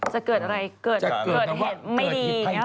จะเกิดอะไรเกิดเหตุไม่ดีเนี่ย